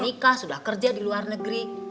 jadi bagi kami mbak rono udah berada di luar negeri